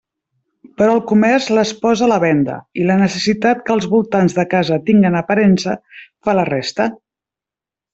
Però el comerç les posa a la venda, i la necessitat que els voltants de casa tinguen aparença fa la resta.